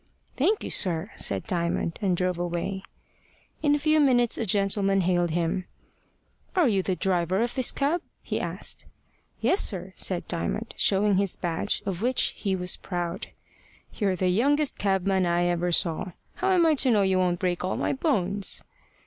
"Thank you, sir," said Diamond, and drove away. In a few minutes a gentleman hailed him. "Are you the driver of this cab?" he asked. "Yes, sir" said Diamond, showing his badge, of which, he was proud. "You're the youngest cabman I ever saw. How am I to know you won't break all my bones?"